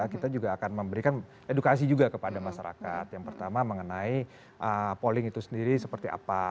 kita juga akan memberikan edukasi juga kepada masyarakat yang pertama mengenai polling itu sendiri seperti apa